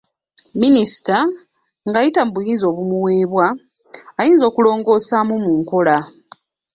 Minisita, ng'ayita mu buyinza obumuweebwa, ayinza okulongoosamu mu nkola.